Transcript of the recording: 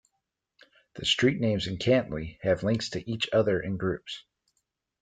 The street names in Cantley have links to each other in groups.